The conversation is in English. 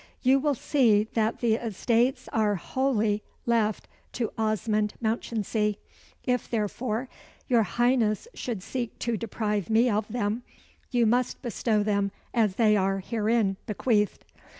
"You will see that the estates are wholly left to Osmond Mounchensey. If, therefore, your Highness should seek to deprive me of them, you must bestow them as they are herein bequeathed."